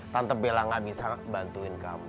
tante bella gak bisa ngebantuin kamu